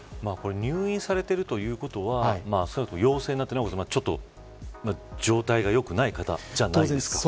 入院されてるということはおそらく陽性になって状態がよくない方じゃないですか。